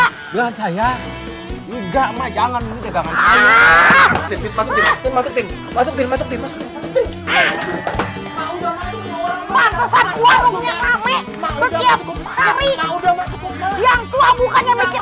hai dan saya juga majangan ini jangan masuk masuk